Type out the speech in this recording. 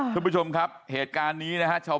คุณผู้ชมครับเหตุการณ์นี้นะฮะ